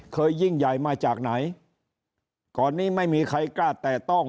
ยิ่งใหญ่มาจากไหนก่อนนี้ไม่มีใครกล้าแตะต้อง